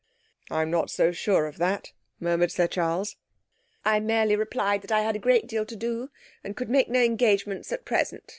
'I'm not so sure of that,' murmured Sir Charles. 'I merely replied that I had a great deal to do, and could make no engagements at present.